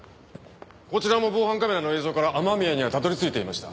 こちらも防犯カメラの映像から雨宮にはたどり着いていました。